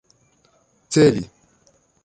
celi